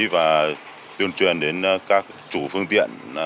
và tuyên truyền đến các chủ phương tiện